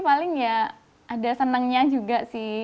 paling ya ada senangnya juga sih